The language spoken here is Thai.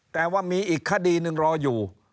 แต่ว่ามีอีกคดีหนึ่งรออยู่